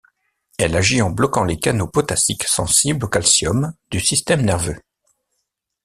Elle agit en bloquant les canaux potassiques sensibles au calcium du système nerveux.